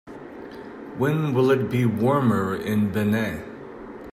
When will it be warmer in Benin